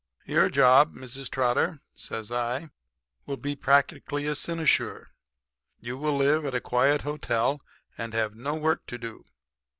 "'Your job, Mrs. Trotter,' says I, 'will be practically a cynosure. You will live at a quiet hotel and will have no work to do.